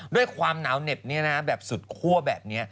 ด้วยความหนาวเหน็บแบบสุดคั่วแบบนี้